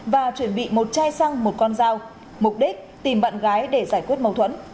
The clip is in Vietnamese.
và chuẩn bị một chai xăng một con dao mục đích tìm bạn gái để giải quyết mâu thuẫn